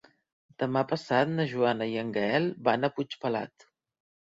Demà passat na Joana i en Gaël van a Puigpelat.